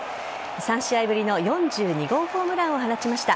３試合ぶりの４２号ホームランを放ちました。